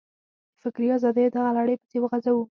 د فکري ازادیو دغه لړۍ پسې غځوو.